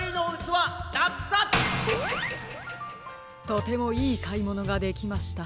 とてもいいかいものができました。